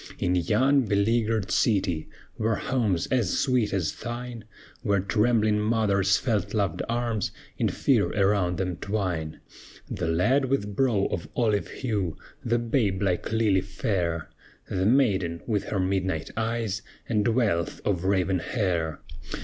In yon beleaguered city Were homes as sweet as thine; Where trembling mothers felt loved arms In fear around them twine, The lad with brow of olive hue, The babe like lily fair, The maiden with her midnight eyes, And wealth of raven hair.